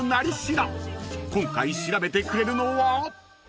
［今回調べてくれるのは］